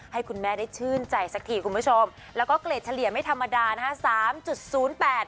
ให้คุณแม่ได้ชื่นใจสักทีคุณผู้ชมแล้วก็เกรดเฉลี่ยไม่ธรรมดานะฮะสามจุดศูนย์แปด